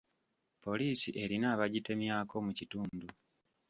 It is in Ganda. Poliisi erina abagitemyako mu kitundu.